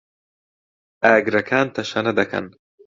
ئاگرەکان تەشەنە دەکەن.